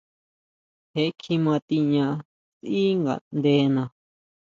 Je kjima tiña sʼí ngaʼndena.